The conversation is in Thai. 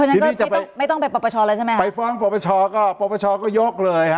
ทีนี้จะไปไปฟ้องประชาก็ประชาก็ยกเลย